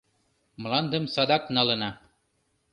— Мландым садак налына!